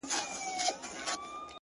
ستا د ښار د ښایستونو په رنګ ـ رنګ یم-